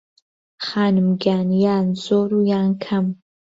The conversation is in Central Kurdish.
خانم گیان یان زۆر و یان کهم